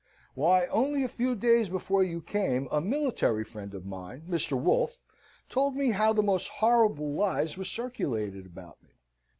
Why, only a few days before you came, a military friend of mine, Mr. Wolfe, told me how the most horrible lies were circulated about me.